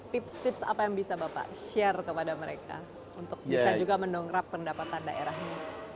tips tips apa yang bisa bapak share kepada mereka untuk bisa juga mendongkrak pendapatan daerahnya